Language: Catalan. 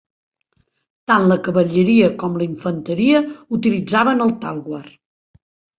Tant la cavalleria com la infanteria utilitzaven el talwar.